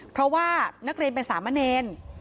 เพราะว่านักเรียนเป็นสามะเนร